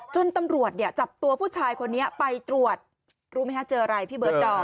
ตำรวจเนี่ยจับตัวผู้ชายคนนี้ไปตรวจรู้ไหมฮะเจออะไรพี่เบิร์ดดอม